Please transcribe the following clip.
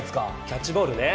キャッチボールね。